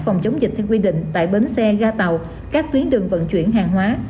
phòng chống dịch theo quy định tại bến xe ga tàu các tuyến đường vận chuyển hàng hóa